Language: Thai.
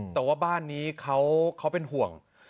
แต่ว่าบ้านนี้เขาเป็นห่วง